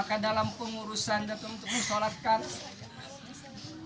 maka dalam pengurusan datang untuk disolatkan